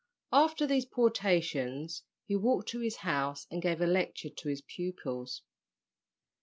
After these potations, he walked to his house and gave a lecture to his pupils.